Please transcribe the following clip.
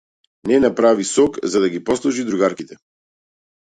Нена прави сок за да ги послужи другарките.